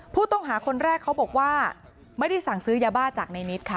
ผู้ต้องหาคนแรกเขาบอกว่าไม่ได้สั่งซื้อยาบ้าจากในนิดค่ะ